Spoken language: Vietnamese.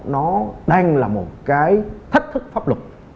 nó đang là một cái thách thức pháp luật